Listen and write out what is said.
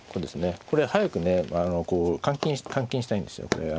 これ早くね換金したいんですよ。